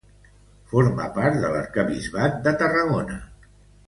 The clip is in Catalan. Forma part de l'Arquebisbat de Tarragona.